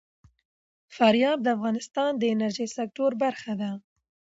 فاریاب د افغانستان د انرژۍ سکتور برخه ده.